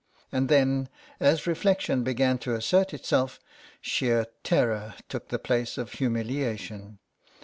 And then, as reflection began to assert itself, sheer terror took the place of humilia tion.